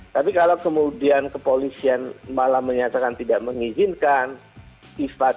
tapi kalau kemudian kepolisian malah menyatakan tidak mengizinkan itu tidak berarti